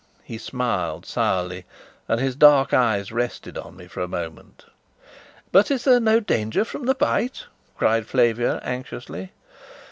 He smiled sourly, and his dark eyes rested on me for a moment. "But is there no danger from the bite?" cried Flavia anxiously.